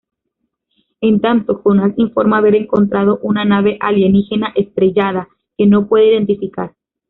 En tanto, Jonas informa haber encontrado una nave alienígena estrellada, que no puede identificar.